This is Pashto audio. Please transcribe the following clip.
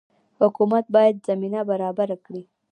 حکومت باید زمینه برابره کړي